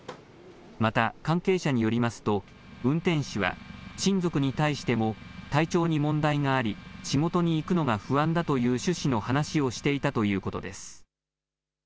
また関係者によりますと運転手は親族に対しても体調に問題があり仕事に行くのが不安だという趣旨の話をしていたということです。